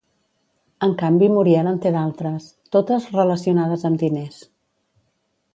En canvi Muriel en té d'altres, totes relacionades amb diners.